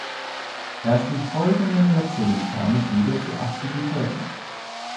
Erst im folgenden Jahrzehnt kam es wieder zu Aktivitäten.